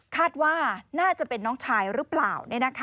คาดว่าน่าจะเป็นน้องชายหรือเปล่า